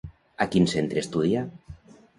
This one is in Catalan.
A quin centre estudià?